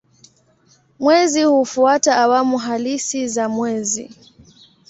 Mwezi hufuata awamu halisi za mwezi.